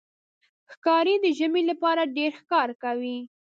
ښکاري د ژمي لپاره ډېر ښکار کوي.